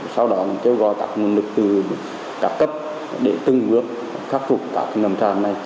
sau đó kêu gọi các nguồn lực từ các cấp để tương bước khắc phục các nầm tràn này